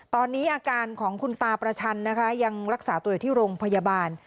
ตอนนี้อาการของคุณตาประชันนะคะยังรักษาตัวอยู่ที่โรงพยาบาล